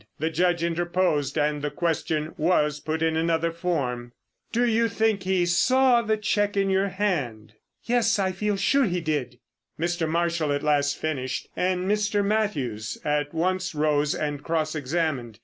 The Judge interposed, and the question was put in another form. "Do you think he saw the cheque in your hand?" "Yes, I feel sure he did." Mr. Marshall at last finished, and Mr. Mathews at once rose and cross examined.